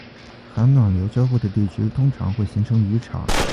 寒暖流交汇的地区通常会形成渔场